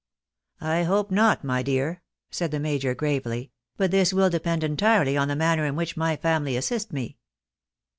" I hope not, my dear," said the major, gravely ;" but this will depend entirely on the manner in which my family assist me."